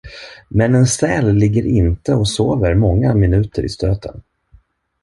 Men en säl ligger inte och sover många minuter i stöten.